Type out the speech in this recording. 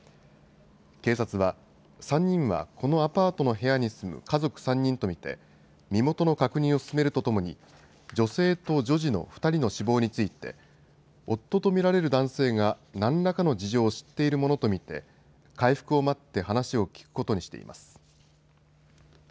警察は、３人はこのアパートの部屋に住む家族３人と見て身元の確認を進めるとともに女性と女児の２人の死亡について夫とみられる男性が何らかの事情を知っているものと見て回復を待って話を聞くことにしています。